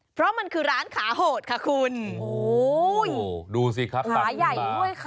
เพราะมันคือร้านขาโหดค่ะคุณ